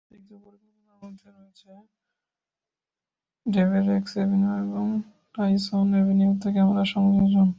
অতিরিক্ত পরিকল্পনার মধ্যে রয়েছে ডেভেরেক্স এভিনিউ এবং টাইসন এভিনিউতে ক্যামেরা সংযোজন।